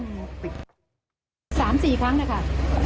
๓๔ครั้งแหละค่ะ